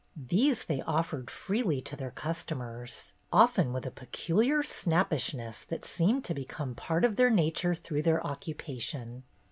These they offered freely to their customers, often with a peculiar snappishness that seemed to become part of their nature through their occupation.